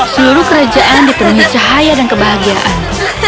seluruh kerajaan dipenuhi cahaya dan kebahagiaan